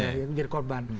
ya yang menjadi korban